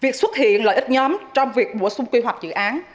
việc xuất hiện lợi ích nhóm trong việc bổ sung quy hoạch dự án